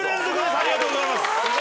ありがとうございます。